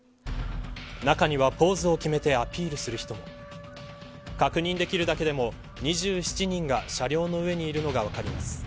なかにはポーズを決めてアピールする人も確認できるだけでも２７人が車両の上にいるのが分かります。